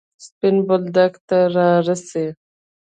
سپين بولدک ته راسئ!